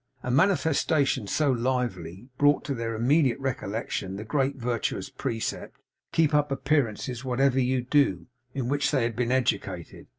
A manifestation so lively, brought to their immediate recollection the great virtuous precept, 'Keep up appearances whatever you do,' in which they had been educated.